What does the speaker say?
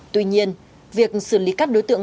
tuy nhiên việc xử lý các đối tượng